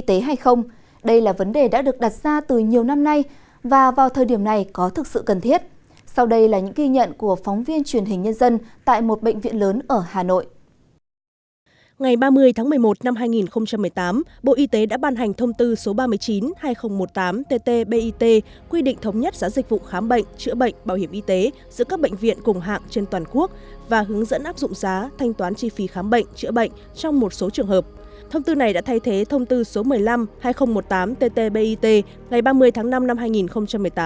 thông tư này đã thay thế thông tư số một mươi năm hai nghìn một mươi tám ttbit ngày ba mươi tháng năm năm hai nghìn một mươi tám của bộ y tế và chính thức có hiệu lực từ ngày một mươi năm tháng một năm hai nghìn một mươi chín